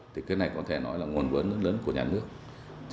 thì cái này có thể nói là nguồn vấn lớn của nhà nước